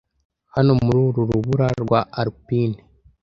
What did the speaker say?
Hano muri urubura rwa Alpine